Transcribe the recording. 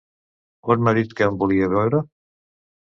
On m’ha dit que em volia veure?